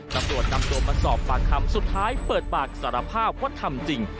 ตำรวจนำตัวมาสอบปากคำสุดท้ายเปิดปากสารภาพว่าทำจริง